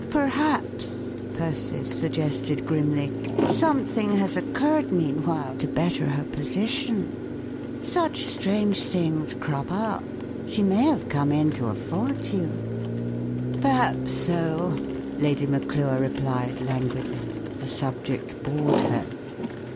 " Perhaps," Persis suggested, grimly, " something has occurred meanwhile to better her position. Such strange things crop up. She may have come into a fortune I " "Perhaps so," Lady Maclure replied, lan¬ guidly. The subject bored her.